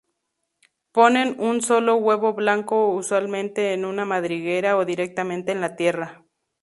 Ponen un solo huevo blanco usualmente en una madriguera o directamente en la tierra.